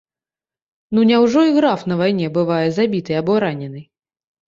Ну няўжо і граф на вайне бывае забіты або ранены?